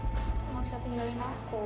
kamu mau sesuapin ini sama aku